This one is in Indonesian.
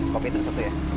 kopi itu satu ya